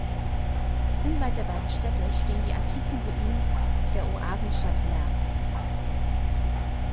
Unweit der beiden Städte stehen die antiken Ruinen der Oasenstadt Merv.